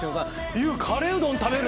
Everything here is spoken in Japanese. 「ＹＯＵカレーうどん食べる？」